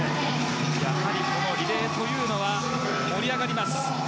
やはりこのリレーというのは盛り上がります。